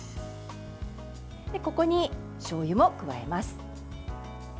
ここに、しょうゆも加えます。